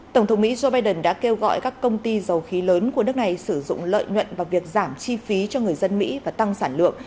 tổng thống mỹ joe biden đã kêu gọi các công ty dầu khí lớn của nước này sử dụng lợi nhuận vào việc giảm chi phí cho người dân mỹ và tăng sản lượng